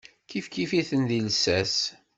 Kifkif-iten deg llsas.